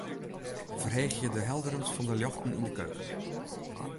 Ferheegje de helderens fan de ljochten yn de keuken.